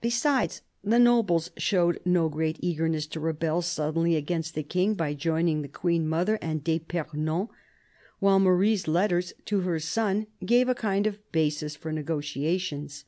Besides, the nobles showed no great eagerness to rebel suddenly against the King by joining the Queen mother and d'fipernon, while Marie's letters to her son gave a kind of basis for negotiations.